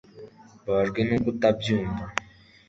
mbabajwe nuko utabyumva